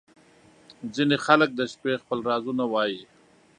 • ځینې خلک د شپې خپل رازونه وایې.